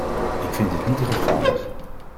Ik vind dit niet rechtvaardig.